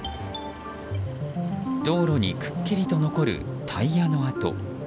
道路にくっきりと残るタイヤの跡。